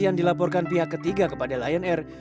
yang dilaporkan pihak ketiga kepada lion air